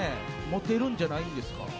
モテるんじゃないんですか？